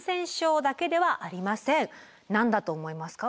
何だと思いますか？